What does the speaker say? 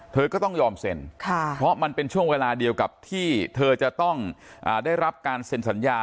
เธอก็ต้องยอมเซ็นเพราะมันเป็นช่วงเวลาเดียวกับที่เธอจะต้องได้รับการเซ็นสัญญา